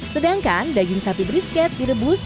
sedangkan daging sapi brisket direbus